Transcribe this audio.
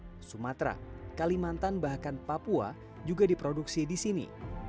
batik solo jogja sumatera kalimantan bahkan papua juga diproduksi di sini